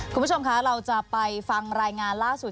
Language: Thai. คุณผู้ชมคะเราจะไปฟังรายงานล่าสุด